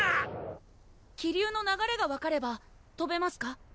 気流の流れが分かればとべますか？